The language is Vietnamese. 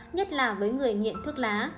nhất là với người nghiện thuốc lá